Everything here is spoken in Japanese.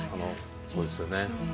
そうですよね。